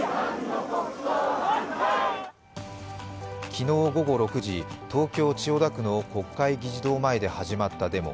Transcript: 昨日午後６時、東京・千代田区の国会議事堂前で始まったデモ。